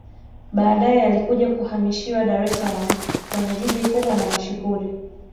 Baadae yalikuja kuhamishiwa Dar es salaam kwenye jiji kubwa na mashuhuri